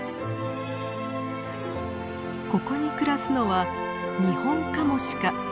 ここに暮らすのはニホンカモシカ。